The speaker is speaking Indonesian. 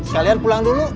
kalian pulang dulu